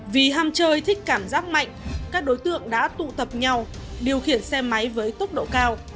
vì ham chơi thích cảm giác mạnh các đối tượng đã tụ tập nhau điều khiển xe máy với tốc độ cao